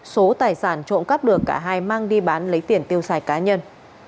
số tài sản trộm cắp được cả hai mang đi bán lấy tiền tiêu xài cá nhân